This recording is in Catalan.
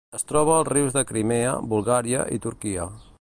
Es troba als rius de Crimea, Bulgària i Turquia.